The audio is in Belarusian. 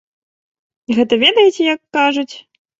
Гэта, ведаеце, як кажуць?